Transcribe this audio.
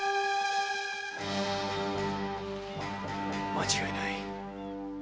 間違いない！